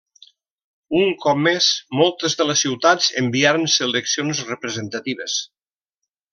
Un cop més, moltes de les ciutats enviaren seleccions representatives.